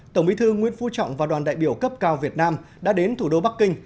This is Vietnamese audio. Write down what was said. tổng bí thư nguyễn phú trọng và đoàn đại biểu cấp cao việt nam đã đến thủ đô bắc kinh